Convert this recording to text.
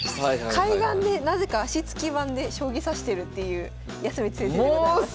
海岸でなぜか脚付き盤で将棋指してるっていう康光先生でございます。